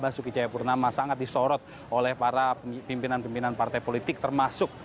basuki cahayapurnama sangat disorot oleh para pimpinan pimpinan partai politik termasuk